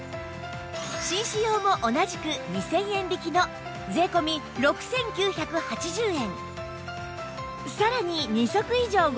紳士用も同じく２０００円引きの税込６９８０円